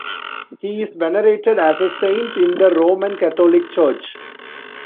He is venerated as a saint in the Roman Catholic Church.